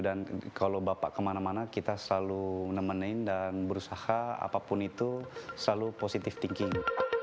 dan kalau bapak kemana mana kita selalu nemenin dan berusaha apapun itu selalu positive thinking